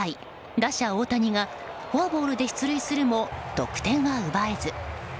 打者・大谷がフォアボールで出塁するも得点は奪えず。